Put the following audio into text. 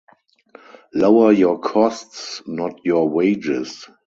Lower your costs, not your wages.